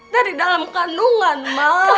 dari dalam kandungan ma